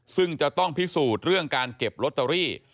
ซึ่งจะต้องพิสูจน์เรื่องการเก็บลอตเตอรี่